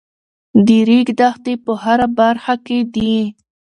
د ریګ دښتې په هره برخه کې دي.